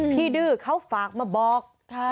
ดื้อเขาฝากมาบอก